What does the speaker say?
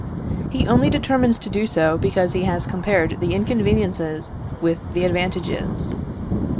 He only determines to do so because he has compared the inconveniences with the advantages.